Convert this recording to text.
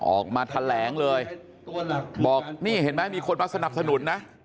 ออกมาแถลงเลยบอกนี่เห็นไหมมีคนมาสนับสนุนนะ